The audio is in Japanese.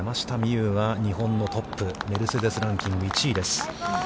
有は、日本のトップ、メルセデス・ランキング１位です。